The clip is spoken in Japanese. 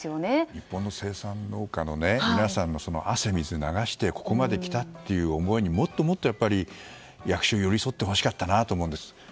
日本の生産農家の皆さんが汗水流してここまで来たという思いにもっともっと役所は寄り添ってほしかったなと思うんです。